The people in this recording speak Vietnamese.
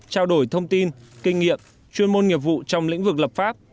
trao đổi thông tin kinh nghiệm chuyên môn nghiệp vụ trong lĩnh vực lập pháp